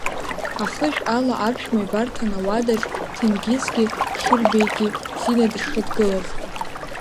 Ахышә ала аԥшәма ибарҭан ауадаҿ Ҭенгизгьы Хьырбеигьы Зина дышрыдгылаз.